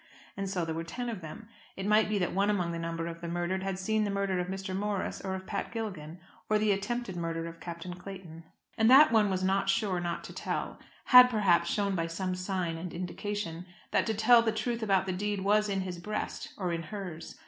And so there were ten of them. It might be that one among the number of the murdered had seen the murder of Mr. Morris, or of Pat Gilligan, or the attempted murder of Captain Clayton. And that one was not sure not to tell, had perhaps shown by some sign and indication that to tell the truth about the deed was in his breast, or in hers!